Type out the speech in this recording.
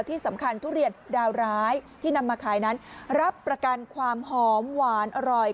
ที่สำคัญทุเรียนดาวร้ายที่นำมาขายนั้นรับประกันความหอมหวานอร่อย